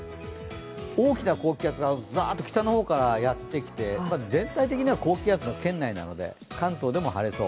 大きな高気圧が北の方からやってきて全体的には高気圧の圏内なので、関東でも晴れそう。